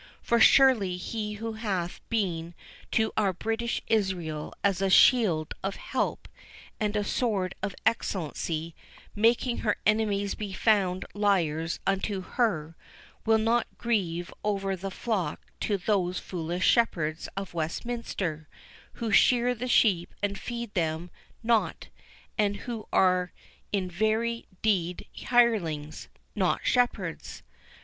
For surely he who hath been to our British Israel as a shield of help, and a sword of excellency, making her enemies be found liars unto her, will not give over the flock to those foolish shepherds of Westminster, who shear the sheep and feed them not, and who are in very deed hirelings, not shepherds."